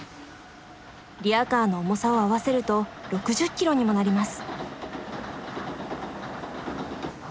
リヤカーの重さを合わせると６０ｋｇにもなります。